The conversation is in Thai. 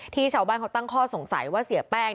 ชาวบ้านเขาตั้งข้อสงสัยว่าเสียแป้ง